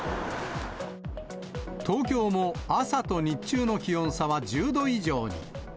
東京も朝と日中の気温差は１０度以上に。